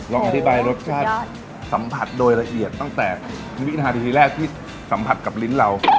อธิบายรสชาติสัมผัสโดยละเอียดตั้งแต่วินาทีแรกที่สัมผัสกับลิ้นเรา